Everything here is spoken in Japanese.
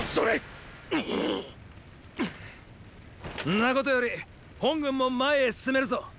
んなことより本軍も前へ進めるぞ。